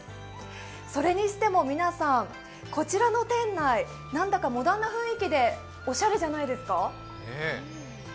それにしても、皆さんこちらの店内なんだかモダンな雰囲気でおしゃれじゃないですか？